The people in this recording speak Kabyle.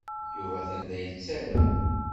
Yuba atan la yettarem.